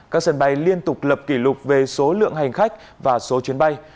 các sân bay liên tục lập kỷ lục về số lượng hành khách và số chuyến bay